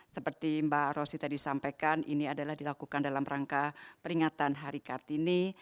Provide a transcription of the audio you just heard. seperti mbak rosy tadi sampaikan ini adalah dilakukan dalam rangka peringatan hari kartini